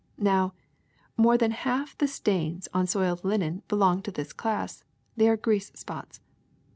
^^Now, more than half the stains on soiled linen belong to this class: they are grease spots.